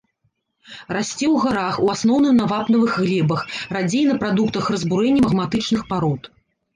Расце ў гарах, у асноўным на вапнавых глебах, радзей на прадуктах разбурэння магматычных парод.